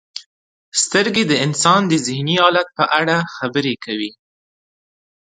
• سترګې د انسان د ذهني حالت په اړه خبرې کوي.